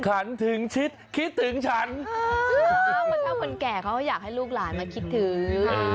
ฉันถึงชิดคิดถึงฉันคนเท่าคนแก่เขาก็อยากให้ลูกหลานมาคิดถึง